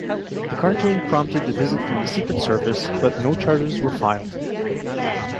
The cartoon prompted a visit from the Secret Service, but no charges were filed.